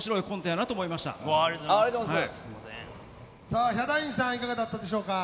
さあヒャダインさんいかがだったでしたでしょうか。